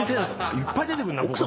いっぱい出てくるな。